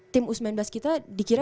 tim u sembilan belas kita dikira